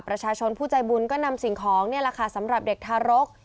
ประชาชนผู้ใจบุญก็นำสิ่งของนี่แหละค่ะสำหรับเด็กทารก